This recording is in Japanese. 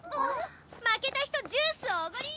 負けた人ジュースおごり！